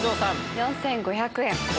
４５００円。